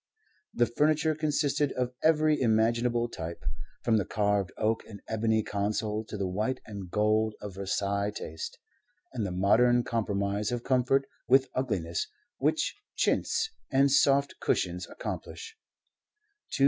The furniture consisted of every imaginable type, from the carved oak and ebony console to the white and gold of Versailles taste, and the modern compromise of comfort with ugliness which chintz and soft cushions accomplish.